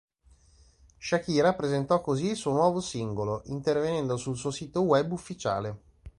Shakira presentò così il suo nuovo singolo, intervenendo sul suo sito web ufficiale.